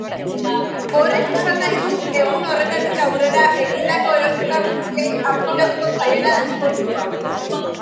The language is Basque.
Horrek esan nahi du egun horretatik aurrera egindako erosketa guztiei aplikatuko zaiela deskontua.